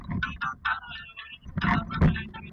سفیرانو به د انسان د ژوند حق خوندي کړی وي.